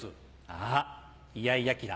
あイヤイヤ期だ。